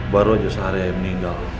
baru aja sehari hari meninggal